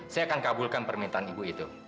saya akan kabulkan permintaan ibu itu